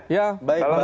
ya bang teri